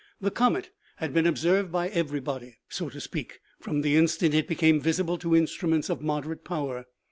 The comet had been observed by everybody, so to speak, from the instant it became visible to instruments of moderate power.